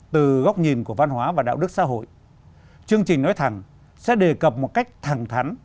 từ góc nhìn của văn hóa và đạo đức xã hội chương trình nói thẳng sẽ đề cập một cách thẳng thắn